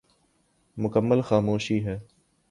مکمل خاموشی ہے۔